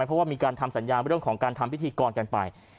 เพราะว่ามีการทำสัญญาเรื่องของการทำพิธีกรกันไป